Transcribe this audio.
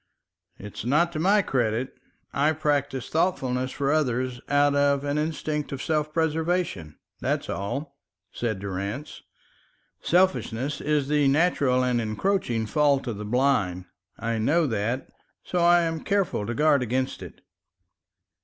"It's not to my credit. I practise thoughtfulness for others out of an instinct of self preservation, that's all," said Durrance. "Selfishness is the natural and encroaching fault of the blind. I know that, so I am careful to guard against it."